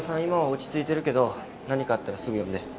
今は落ち着いてるけど何かあったらすぐ呼んで。